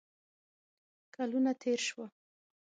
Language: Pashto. کلونه تیر شوه